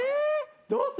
どうする？